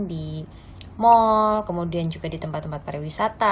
di mall kemudian juga di tempat tempat pariwisata